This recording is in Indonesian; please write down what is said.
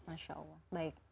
masya allah baik